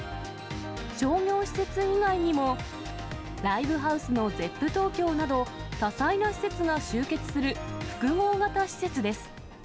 商業施設以外にも、ライブハウスのＺｅｐｐＴｏｋｙｏなど、多彩な施設が集結する複合型施設です。